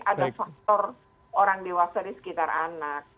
ada faktor orang dewasa di sekitar anak